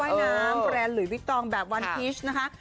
เป็นชุดว่ายน้ำแบรนด์หลุยวิทองแบบวันพีชนะคะ